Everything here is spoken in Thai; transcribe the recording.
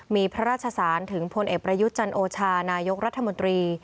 มีพระราชสารถึงพลเอกประยุทธ์จันโอชานายกรัฐมนตรี